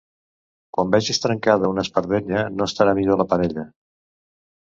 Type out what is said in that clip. Quan vegis trencada una espardenya, no estarà millor la parella.